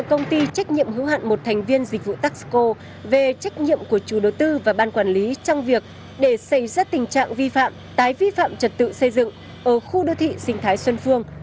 không chỉ những khó khăn về việc giải quyết vi phạm trật tự xây dựng dự án khu đô thị sinh thái xuân phương